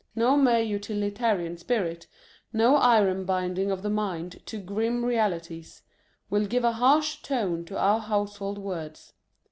No mere utilitarian spirit, no iron binding of the mind to grim realities, will give a harsh tone to our Household Words.